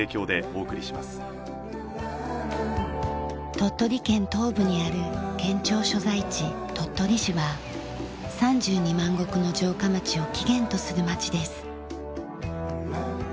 鳥取県東部にある県庁所在地鳥取市は３２万石の城下町を起源とする街です。